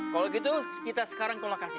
kalau gitu kita sekarang kalau kasih